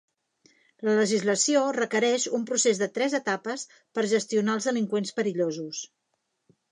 La legislació requereix un procés de tres etapes per gestionar els delinqüents perillosos.